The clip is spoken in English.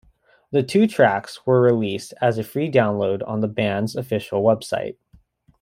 The two tracks were released as a free download on the band's official website.